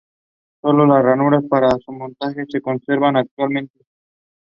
Oliver eventually went on to join the Cameroonian army.